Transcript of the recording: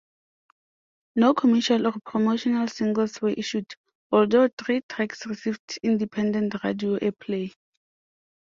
No commercial or promotional singles were issued, although three tracks received independent radio airplay.